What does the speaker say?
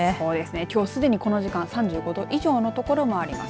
きょうすでにこの時間３５度以上のところもあります。